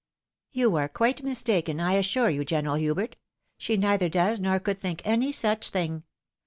" You are quite mistaken, I assure you. General Hubert. She neither does nor could think any such thing.